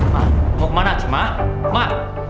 ma mau kemana sih ma